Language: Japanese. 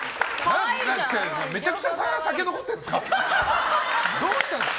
めちゃくちゃ酒残ってんすか？